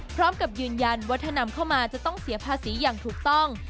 พร้อมกับยืนยันว่าถ้านำเข้ามาจะต้องเสียภาษีอย่างถูกต้อง